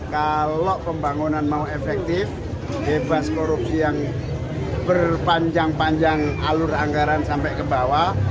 kalau pembangunan mau efektif bebas korupsi yang berpanjang panjang alur anggaran sampai ke bawah